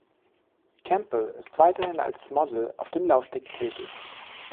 Campbell ist weiterhin als Model auf dem Laufsteg tätig.